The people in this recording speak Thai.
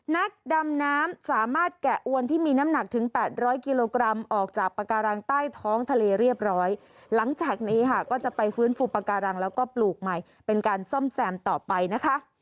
นักดำน้ำสามารถแกะอวนที่มีน้ำหนักถึงแปดร้อยกิโลกรัมออกจากปากการังใต้ท้องทะเลเรียบร้อยหลังจากนี้ค่ะก็จะไปฟื้นฟูปาการังแล้วก็ปลูกใหม่เป็นการซ่อมแซมต่อไปนะคะ